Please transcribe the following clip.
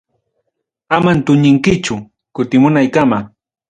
Amam tuñinkichu, kutimunaykama.